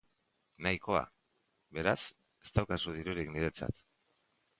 Nahikoa! Beraz, ez daukazu dirurik niretzat.